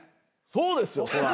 そうですよそら。